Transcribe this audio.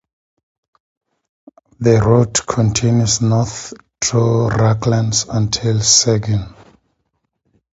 The route continues north through ranchlands until Seguin.